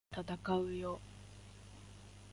闘うよ！！